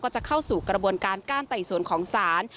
จะเข้าสู่กระบวนการก้านไต่สวนของศาล